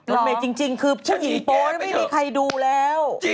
เออจริงคือผู้หญิงโปสต์ไม่มีใครดูแล้ว